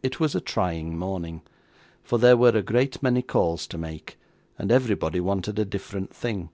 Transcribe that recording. It was a trying morning; for there were a great many calls to make, and everybody wanted a different thing.